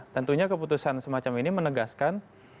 tentunya keputusan semacam ini menegaskan